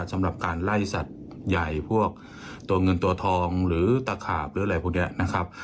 สำหรับการไล่สัตว์ใหญ่พวกตัวเงินตัวทองหรือตะขาบหรืออะไรพวกนี้นะครับ